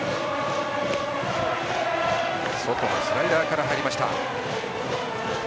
外のスライダーから入りました。